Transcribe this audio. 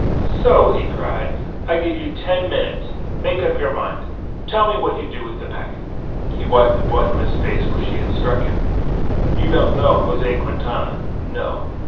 "So," he cried, "I give you ten minutes, make up your mind, tell me what you do with that packet." He wiped the blood from his face where she had struck him. "You don't know José Quintana. No!